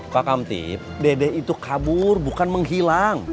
pak kamtip dedek itu kabur bukan menghilang